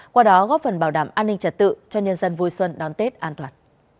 qua đó góp phần bảo đảm an ninh trật tự cho nhân dân vui xuân đón tết an toàn